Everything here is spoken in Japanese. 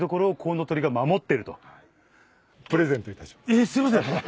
えっすいません。